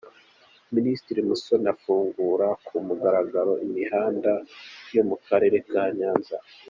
Minisitiri Musoni afungura ku mugaragaro imihanda yo mu karere ka Nyanza.